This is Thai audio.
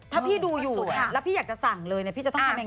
ถ้าพี่ดูอยู่แล้วพี่อยากจะสั่งเลยพี่จะต้องทำยังไง